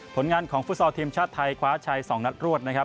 ผลงานของฟุตซอลทีมชาติไทยคว้าชัย๒นัดรวดนะครับ